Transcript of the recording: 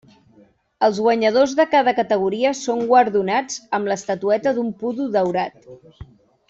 Els guanyadors de cada categoria són guardonats amb l'estatueta d'un pudu daurat.